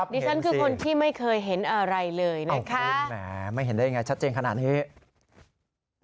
ดิฉันคือคนที่ไม่เคยเห็นอะไรเลยนะคะคุณแหมไม่เห็นได้ยังไงชัดเจนขนาดนี้